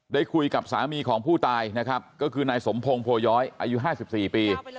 ได้คุยกับสามีของผู้ตายนะครับก็คือนายสมพงศ์โพย้อยอายุ๕๔ปี